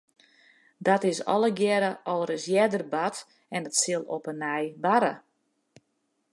Dat is allegearre al ris earder bard en it sil op 'e nij barre.